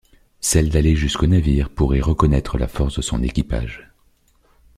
Celle d’aller jusqu’au navire pour y reconnaître la force de son équipage.